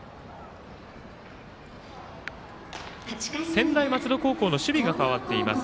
専大松戸高校の守備が変わっています。